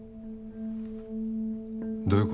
どういう事？